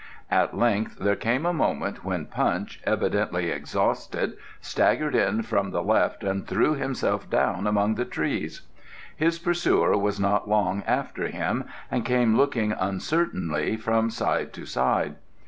At length there came a moment when Punch, evidently exhausted, staggered in from the left and threw himself down among the trees. His pursuer was not long after him, and came looking uncertainly from side to side.